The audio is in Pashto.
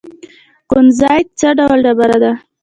کونزیټ څه ډول ډبره ده؟